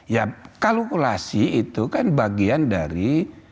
ya kalkulasi itu kan bagian dari